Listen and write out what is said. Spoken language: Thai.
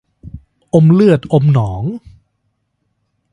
อมเลือดอมหนอง